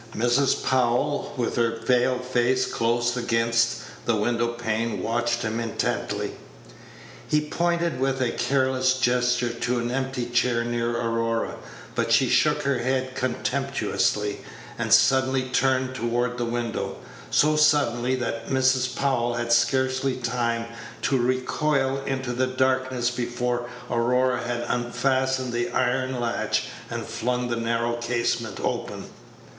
Mrs. Powell, with her pale face close against the window pane, watched him intently. Page 88 He pointed with a careless gesture to an empty chair near Aurora, but she shook her head contemptuously, and suddenly turned toward the window; so suddenly that Mrs. Powell had scarcely time to recoil into the darkness before Aurora had unfastened the iron latch and flung the narrow casement open.